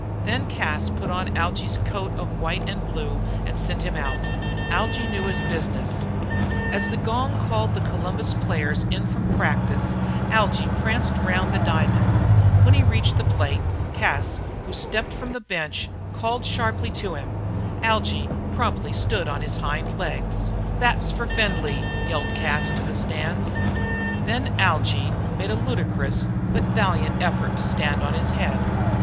Then Cas put on Algy's coat of white and blue and sent him out. Algy knew his business. As the gong called the Columbus players in from practice, Algy pranced round the diamond. When he reached the plate Cas, who had stepped from the bench, called sharply to him. Algy promptly stood up on his hind legs. "That's for Findlay!" yelled Cas to the stands. Then Algy made a ludicrous but valiant effort to stand on his head.